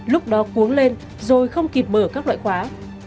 lúc đó cuống lên rồi không kịp mở các loại khóa